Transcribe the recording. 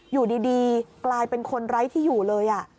อยู่ดีกลายเป็นคนไร้ที่อยู่เลย